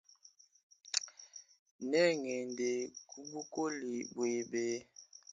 Nengende kubukole bwebe.